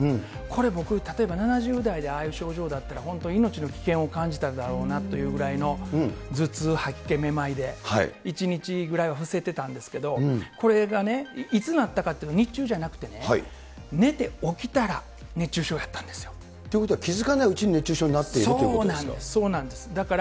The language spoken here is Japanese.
これ、僕、例えば７０代でああいう症状だったら、本当に命の危険を感じたんだろうなというぐらいの、頭痛、吐き気、めまいで、１日ぐらい伏せてたんですけれども、これがね、いつなったかっていうの、日中じゃなくてね、寝て起きたら熱中症ということは気付かないうちに熱中症になっているということですか？